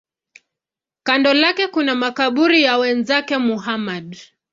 Kando lake kuna makaburi ya wenzake Muhammad.